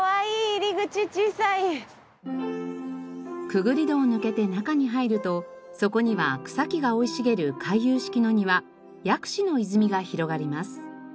くぐり戸を抜けて中に入るとそこには草木が生い茂る回遊式の庭薬師の泉が広がります。